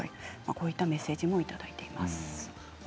こういったメッセージもいただいています。